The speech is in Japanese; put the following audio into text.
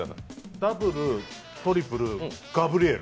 ダブル、トリプルガブリエル。